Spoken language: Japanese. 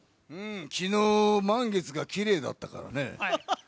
昨日、満月が奇麗だったからね。